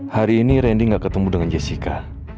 hari ini randy gak ketemu dengan jessica